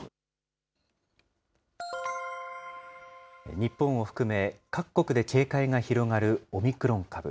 日本を含め、各国で警戒が広がるオミクロン株。